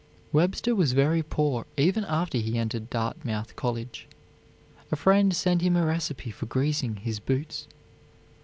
Webster was very poor even after he entered Dartmouth College. A friend sent him a recipe for greasing his boots.